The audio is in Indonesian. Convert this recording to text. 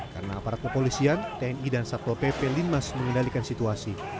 karena aparat kepolisian tni dan satu pp limas mengendalikan situasi